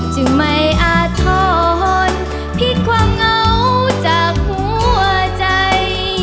จึงไม่อาทรพลิกความเหงาจากหัวใจ